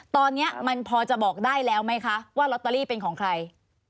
ตอนนี้มันพอจะบอกได้แล้วไหมคะว่าลอตเตอรี่เป็นของใคร